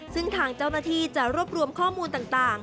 ซึ่งทางเจ้าหน้าที่จะรวบรวมข้อมูลต่าง